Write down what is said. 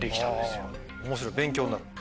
面白い勉強になる。